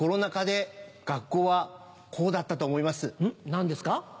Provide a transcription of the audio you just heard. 何ですか？